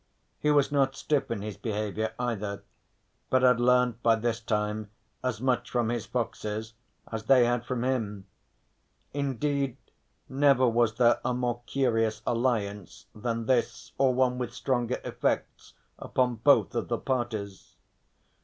He was not stiff in his behaviour either, but had learnt by this time as much from his foxes as they had from him. Indeed never was there a more curious alliance than this or one with stranger effects upon both of the parties.